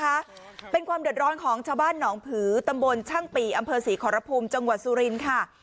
โอเคค่ะเป็นความเดินร้อนของชาวบ้านหนองภือตำบนช่างปี่อำเภอศรีขอระภูมิจังหวังสุรินฮะ